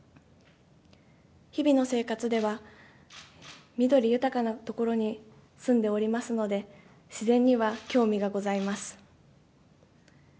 日々の生活では、緑豊かな所に住んでおりますので、自然には興味がございます。